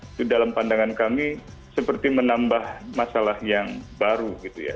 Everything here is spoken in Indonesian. itu dalam pandangan kami seperti menambah masalah yang baru gitu ya